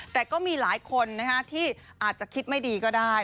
แต่ก็มีหลายคนที่อาจจะคิดไม่ดีก็ได้